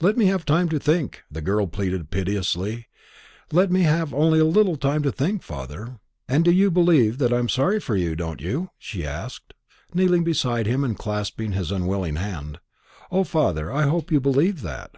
"Let me have time to think," the girl pleaded piteously; "let me have only a little time to think, father. And you do believe that I'm sorry for you, don't you?" she asked, kneeling beside him and clasping his unwilling hand. "O father, I hope you believe that!"